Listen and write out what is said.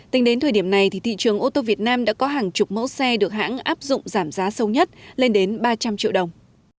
tính đến thời điểm này thị trường ô tô việt nam đã có hàng chục mẫu xe được hãng áp dụng giảm giá sâu nhất lên đến ba trăm linh triệu đồng